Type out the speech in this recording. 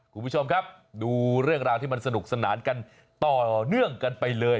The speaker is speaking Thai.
คุณผู้ชมครับดูเรื่องราวที่มันสนุกสนานกันต่อเนื่องกันไปเลย